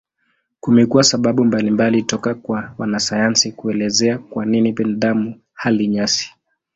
Kumekuwa sababu mbalimbali toka kwa wanasayansi kuelezea kwa nini binadamu hali nyasi.